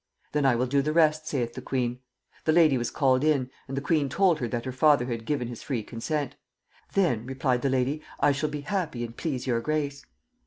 'Then I will do the rest,' saith the queen. The lady was called in, and the queen told her that her father had given his free consent. 'Then,' replied the lady, 'I shall be happy, and please your grace'.